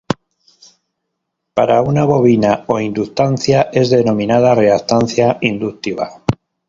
Para una bobina o inductancia es denominada reactancia inductiva.